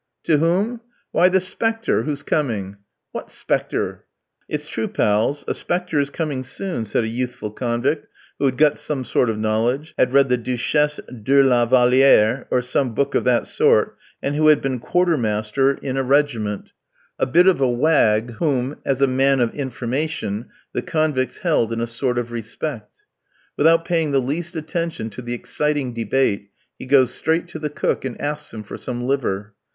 "To whom? Why, the 'spector (Inspector) who's coming." "What 'spector?" "It's true, pals, a 'spector is coming soon," said a youthful convict, who had got some sort of knowledge, had read the "Duchesse de la Vallière," or some book of that sort, and who had been Quartermaster in a regiment; a bit of a wag, whom, as a man of information, the convicts held in a sort of respect. Without paying the least attention to the exciting debate, he goes straight to the cook, and asks him for some liver.